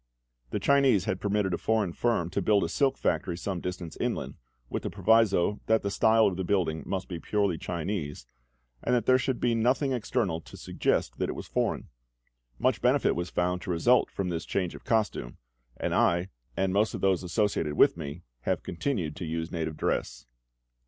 The Chinese had permitted a foreign firm to build a silk factory some distance inland, with the proviso that the style of building must be purely Chinese, and that there should be nothing external to suggest that it was foreign. Much benefit was found to result from this change of costume; and I, and most of those associated with me, have continued to use native dress.